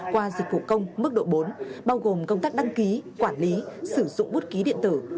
qua dịch vụ công mức độ bốn bao gồm công tác đăng ký quản lý sử dụng bút ký điện tử